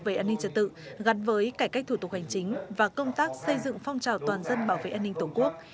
về an ninh trật tự gắn với cải cách thủ tục hành chính và công tác xây dựng phong trào toàn dân bảo vệ an ninh tổ quốc